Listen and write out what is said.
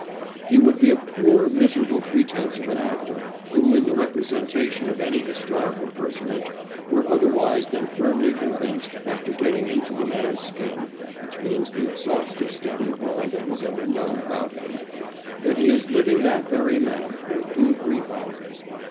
He would be a poor, miserable pretence of an actor who in the representation of any historical personage were otherwise than firmly convinced, after getting into the man's skin (which means the exhaustive study of all that was ever known about him), that he is living that very man for a few brief hours.